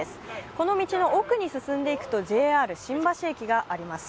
この道の奥に進んでいくとＪＲ新橋駅があります。